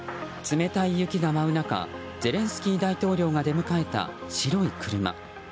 冷たい雪が舞う中ゼレンスキー大統領が出迎えた白い車。